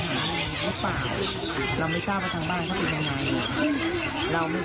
เดี๋ยวพี่พี่เรียนอยู่เขาก็ยังไม่พนัก